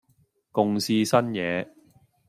共試新嘢